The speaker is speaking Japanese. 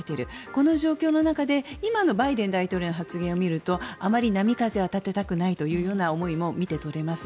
この状況の中で今のバイデン大統領の発言を見るとあまり波風は立てたくないという思いも見て取れます。